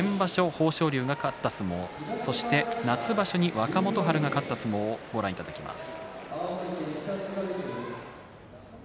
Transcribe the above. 豊昇龍が勝った相撲そして、夏場所に若元春が勝った相撲をご覧いただきます。